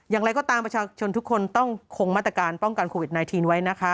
อย่างไรก็ตามประชาชนทุกคนต้องคงมาตรการป้องกันโควิด๑๙ไว้นะคะ